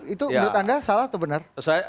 itu menurut anda salah atau benar